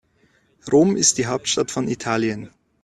Rom ist die Hauptstadt von Italien.